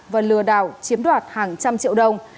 và lừa đảo chiếm đoạt hàng trăm triệu đồng